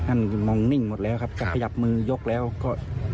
อันนั่นมองนิ่งหมดแล้วครับก็พยับมือยกแล้วก็